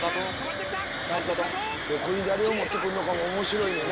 どこに誰を持って来るのかも面白いよな。